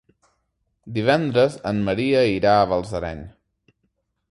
Divendres en Maria irà a Balsareny.